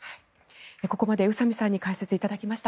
ここまで宇佐美さんに解説いただきました。